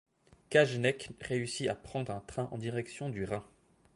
Kageneck réussit à prendre un train en direction du Rhin.